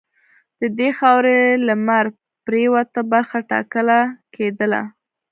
د دې خاورې لمرپرېواته برخه ټاکله کېدله.